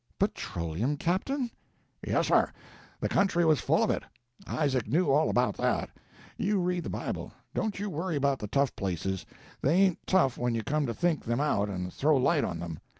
"Petroleum, captain?" "Yes, sir, the country was full of it. Isaac knew all about that. You read the Bible. Don't you worry about the tough places. They ain't tough when you come to think them out and throw light on them.